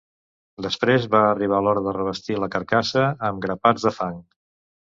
Després va arribar l'hora de revestir la carcassa amb grapats de fang…